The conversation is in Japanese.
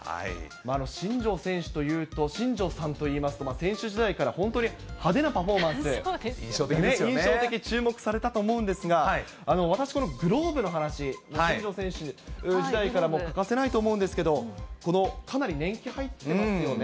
新庄選手というと、新庄さんといいますと、選手時代から本当に派手なパフォーマンス、印象的、注目されたと思うんですが、私、このグローブの話、新庄選手時代から欠かせないと思うんですけど、かなり年季入ってますよね。